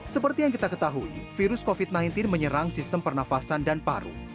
seperti yang kita ketahui virus covid sembilan belas menyerang sistem pernafasan dan paru